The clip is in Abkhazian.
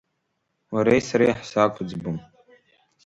Уареи сареи ҳзақәыӡбом.